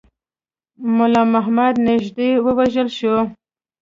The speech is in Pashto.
مُلا محمد نیژدې ووژل شو.